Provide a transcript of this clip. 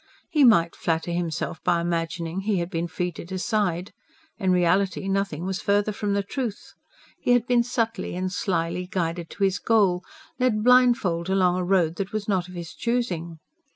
He might flatter himself by imagining he had been free to decide; in reality nothing was further from the truth. He had been subtly and slily guided to his goal led blindfold along a road that not of his choosing.